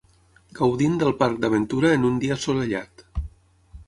Gaudint del parc d'aventura en un dia assolellat.